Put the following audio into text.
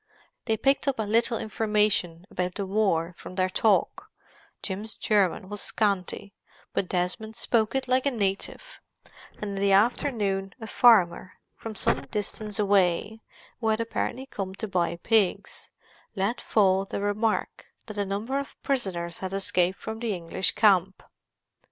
They picked up a little information about the war from their talk—Jim's German was scanty, but Desmond spoke it like a native; and in the afternoon a farmer from some distance away, who had apparently come to buy pigs, let fall the remark that a number of prisoners had escaped from the English camp.